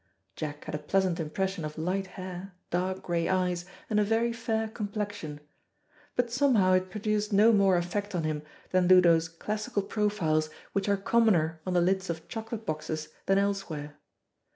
Jack had a pleasant impression of light hair, dark grey eyes, and a very fair complexion. But somehow it produced no more effect on him than do those classical profiles which are commoner on the lids of chocolate boxes than elsewhere.